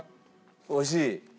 おいしい？